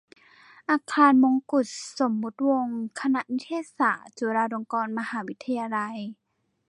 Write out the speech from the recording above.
อาคารมงกุฏสมมติวงศ์ คณะนิเทศศาสตร์ จุฬาลงกรณ์มหาวิทยาลัย